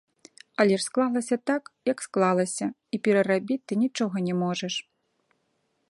Але ж склалася так, як склалася, і перарабіць ты нічога не можаш.